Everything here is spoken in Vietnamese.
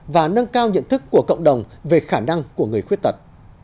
và nâng cao nhận thức của cộng đồng về khả năng của người khuyết tật